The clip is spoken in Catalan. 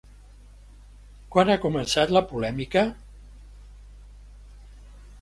Quan ha començat la polèmica?